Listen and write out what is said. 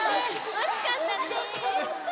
おしかったね。